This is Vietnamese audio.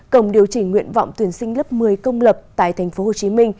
cổng điều chỉnh nguyện vọng tuyển sinh lớp một mươi công lập tại tp hcm